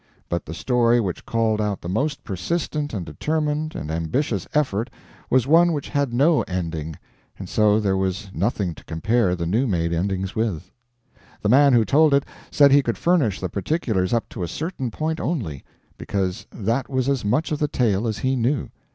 But the story which called out the most persistent and determined and ambitious effort was one which had no ending, and so there was nothing to compare the new made endings with. The man who told it said he could furnish the particulars up to a certain point only, because that was as much of the tale as he knew.